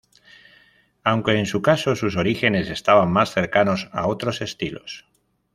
Aunque, en su caso, sus orígenes estaban más cercanos a otros estilos.